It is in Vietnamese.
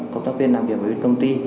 cộng tác viên làm việc với công ty